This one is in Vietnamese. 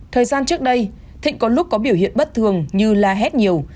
thời gian trước đây thịnh có lúc có biểu hiện bất thường như la hét nhiều